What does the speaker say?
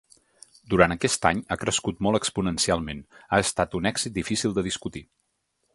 Durant aquest any ha crescut molt exponencialment, ha estat un èxit difícil de discutir.